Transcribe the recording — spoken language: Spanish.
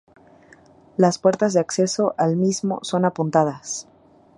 Las puertas de acceso al mismo son apuntadas.